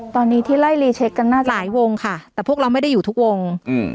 ตอนนี้ที่ไล่รีเช็คกันน่ะหลายวงค่ะแต่พวกเราไม่ได้อยู่ทุกวงอืม